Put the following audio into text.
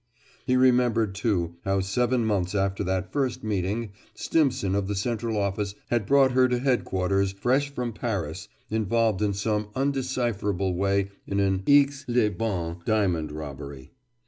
He remembered, too, how seven months after that first meeting Stimson of the Central Office had brought her to Headquarters, fresh from Paris, involved in some undecipherable way in an Aix les Bains diamond robbery.